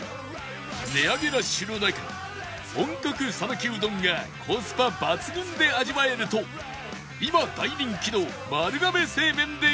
値上げラッシュの中本格讃岐うどんがコスパ抜群で味わえると今大人気の丸亀製麺で帰れま１０